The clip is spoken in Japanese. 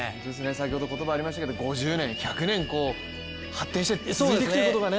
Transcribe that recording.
先ほどありましたけど５０年、１００年発展して続いていくということがね。